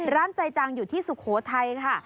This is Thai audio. ร้านใจจังอยู่ที่สุโขทัยค่ะ